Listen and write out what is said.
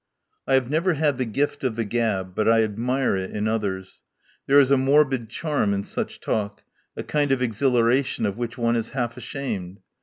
I have never had the gift of the gab, but I admire it in others. There is a morbid charm in such talk, a kind of exhilaration of which one is half ashamed.